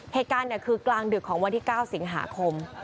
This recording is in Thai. เหตุการณ์คือกลางดึกของวันที่๙สิงหาคม